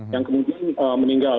yang kemudian meninggal